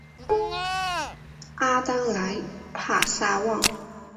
阿当莱帕萨旺。